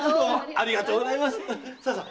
ありがとうございます。